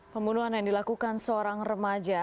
pembunuhan yang dilakukan seorang remaja